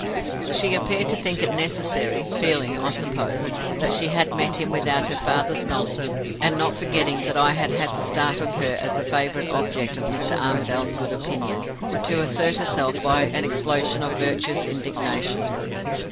"She appeared to think it necessary feeling, I suppose, that she had met him without her father's knowledge, and not forgetting that I had had the start of her as the favored object of Mr. Armadale's good opinion to assert herself by an explosion of virtuous indignation.